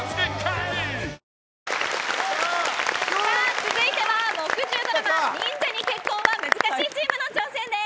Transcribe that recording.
続いては木１０ドラマ忍者に結婚は難しいチームの挑戦です。